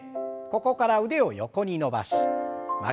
ここから腕を横に伸ばし曲げて。